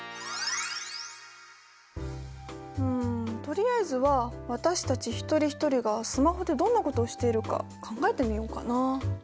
うんとりあえずは私たち一人一人がスマホでどんなことしているか考えてみようかな。